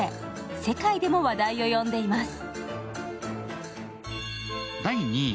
世界でも話題を呼んでいます。